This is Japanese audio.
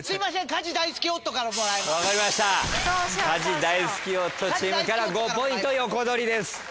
家事大好き夫チームから５ポイント横取りです。